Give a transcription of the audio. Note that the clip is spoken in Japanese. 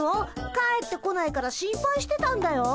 帰ってこないから心配してたんだよ。